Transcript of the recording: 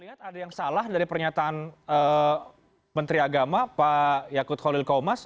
lihat ada yang salah dari pernyataan menteri agama pak yakut khalil komas